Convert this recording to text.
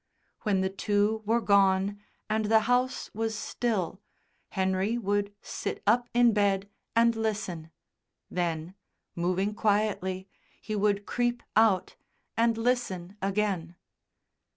When the two were gone and the house was still, Henry would sit up in bed and listen; then, moving quietly, he would creep out and listen again.